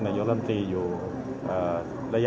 สวัสดีครับ